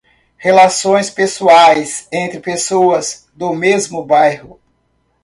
Relações pessoais entre pessoas do mesmo bairro.